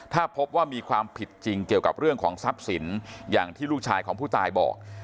ถ้าพบว่ามีความผิดจริงเกี่ยวกับเรื่องของทรัพย์สินอย่างที่ลูกชายของผู้ตายบอก